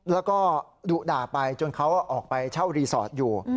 แล้วก็ดุด่าไปจนเขาออกไปเช่ารีสอร์ทอยู่